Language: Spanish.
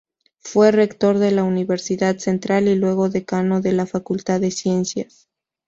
Fue rector de la Universidad Central y luego Decano de la Facultad de Ciencias.